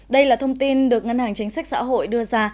đây là thông tin được ngân hàng chính sách xã hội đưa ra